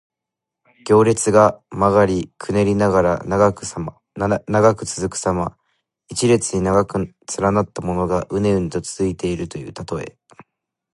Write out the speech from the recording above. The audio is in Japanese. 行列が曲がりくねりながら長く続くさま。一列に長く連なったものが、うねうねと続いているというたとえ。